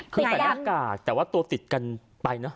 คือใส่หน้ากากแต่ว่าตัวติดกันไปเนอะ